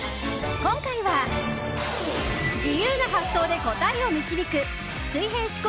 今回は、自由な発想で答えを導く水平思考